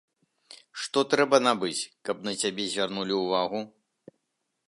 Што трэба набыць, каб на цябе звярнулі ўвагу?